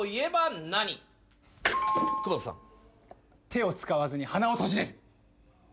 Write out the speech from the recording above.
手を使わずに鼻を閉じれる。